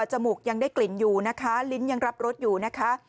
มูกยังได้กลิ่นอยู่นะคะลิ้นยังรับรสอยู่นะคะ